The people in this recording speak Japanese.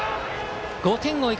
５点を追う